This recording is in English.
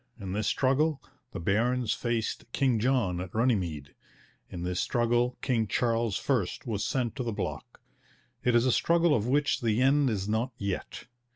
In this struggle the barons faced King John at Runnymede. In this struggle King Charles I was sent to the block. It is a struggle of which the end is not yet.